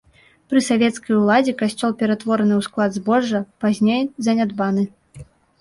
Пры савецкай уладзе касцёл ператвораны ў склад збожжа, пазней занядбаны.